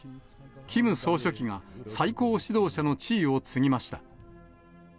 キム総書記が最高指導者の地位を継ぎました。